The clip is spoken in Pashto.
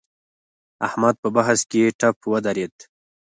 احمد په بحث کې ټپ ودرېد.